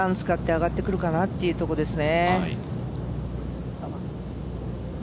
使って上がってくるかなというところですね。